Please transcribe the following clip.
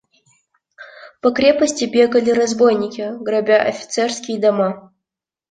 По крепости бегали разбойники, грабя офицерские дома.